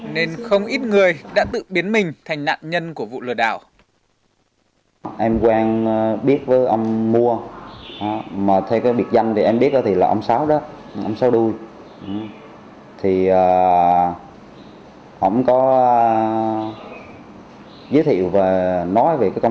nên không ít người đã tự biến mình thành nạn nhân của vụ lừa đảo